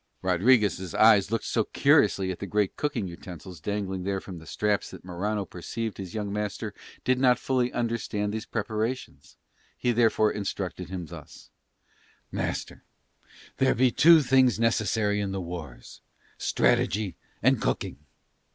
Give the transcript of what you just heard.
Rodriguez' eyes looked so curiously at the great cooking utensils dangling there from the straps that Morano perceived his young master did not fully understand these preparations: he therefore instructed him thus: "Master, there be two things necessary in the wars, strategy and cooking.